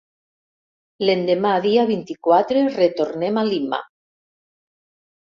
L'endemà dia vint-i-quatre retornem a Lima.